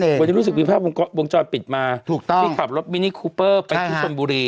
วันนี้รู้สึกวิภาพวงจอดปิดมาที่ขับรถมินิคูเปอร์ไปที่สนบุรี